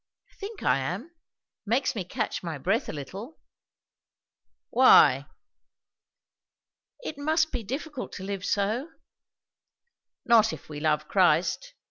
"I think I am. It makes me catch my breath a little." "Why?" "It must be difficult to live so." "Not if we love Christ.